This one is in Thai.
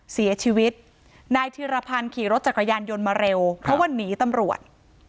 เสียชีวิตนายธิรพันธ์ขี่รถจักรยานยนต์มาเร็วเพราะว่าหนีตำรวจ